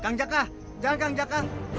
kang jakas jangan kang jakas